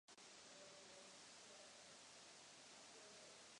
Útoky odsoudil také americký prezident Barack Obama a ruský prezident Vladimir Putin.